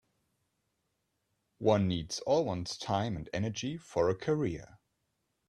One needs all one's time and energy for a career.